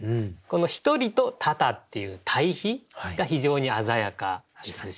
この「一人」と「多々」っていう対比が非常に鮮やかですし